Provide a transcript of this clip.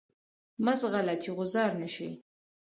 مه ځغله چی غوځار نه شی.